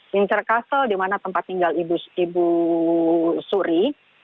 winter castle di mana tempat tinggal ibu suri